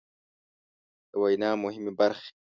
د وينا مهمې برخې